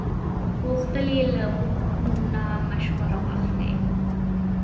غوښتل یې له موږ نه مشوره واخلي.